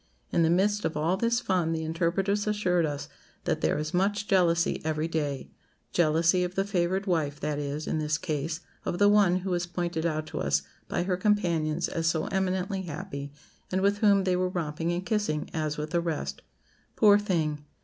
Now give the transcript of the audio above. In the midst of all this fun, the interpreters assured us that 'there is much jealousy every day;' jealousy of the favoured wife; that is, in this case, of the one who was pointed out to us by her companions as so eminently happy, and with whom they were romping and kissing, as with the rest. Poor thing!